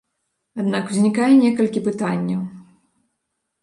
Аднак узнікае некалькі пытанняў.